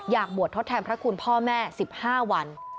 อยากบวชทดแทนพระคุณพ่อแม่๑๕วัน